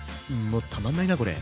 もうたまんないなこれ。